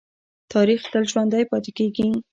تاریخ تل ژوندی پاتې کېږي.